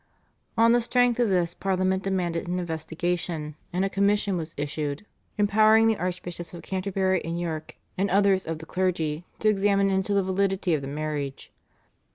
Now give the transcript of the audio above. On the strength of this, Parliament demanded an investigation, and a commission was issued empowering the Archbishops of Canterbury and York and others of the clergy to examine into the validity of the marriage.